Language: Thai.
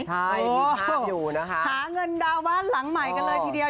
ใช่มีภาพอยู่นะคะหาเงินดาวบ้านหลังใหม่กันเลยทีเดียว